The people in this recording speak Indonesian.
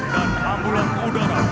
dan ambulan udara